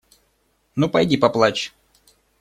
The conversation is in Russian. Ну пойди, поплачь!